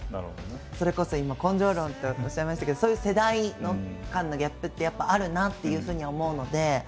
それこそ今「根性論」っておっしゃいましたけどそういう世代間のギャップってやっぱあるなっていうふうに思うので。